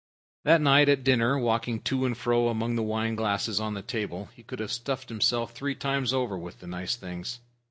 That night at dinner, walking to and fro among the wine glasses on the table, he might have stuffed himself three times over with nice things.